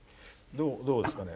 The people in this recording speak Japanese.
どうどうですかね。